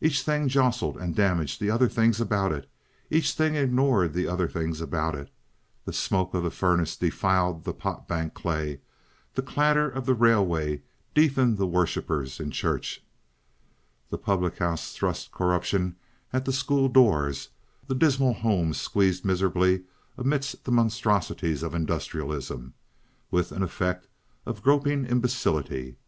Each thing jostled and damaged the other things about it, each thing ignored the other things about it; the smoke of the furnace defiled the potbank clay, the clatter of the railway deafened the worshipers in church, the public house thrust corruption at the school doors, the dismal homes squeezed miserably amidst the monstrosities of industrialism, with an effect of groping imbecility.